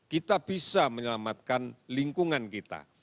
kita bisa menyelamatkan lingkungan kita